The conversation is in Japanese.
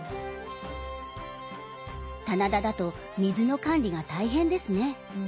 棚田だと水の管理が大変ですね。